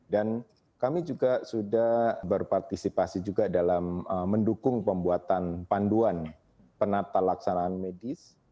dan kami juga sudah berpartisipasi juga dalam mendukung pembuatan panduan penata laksanaan medis